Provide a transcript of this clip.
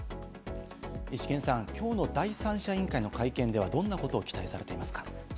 イシケンさん、きょうの第三者委員会の会見ではどんなことを期待されていますか？